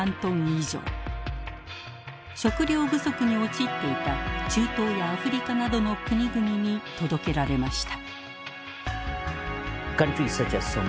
食料不足に陥っていた中東やアフリカなどの国々に届けられました。